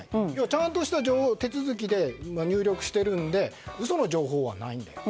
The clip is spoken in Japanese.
ちゃんとした手続きで入力しているので嘘の情報はないんだよ。